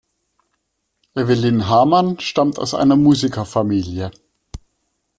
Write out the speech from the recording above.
Evelyn Hamann stammte aus einer Musikerfamilie.